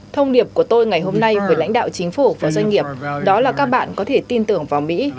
thông điệp của tôi ngày hôm nay với lãnh đạo chính phủ và doanh nghiệp đó là các bạn có thể tin tưởng vào mỹ